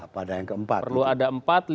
perlu ada empat lima enam